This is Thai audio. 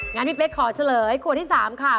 งั้นพี่เป๊กขอเฉลยขวดที่๓ค่ะ